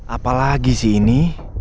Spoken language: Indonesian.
apalagi sih ini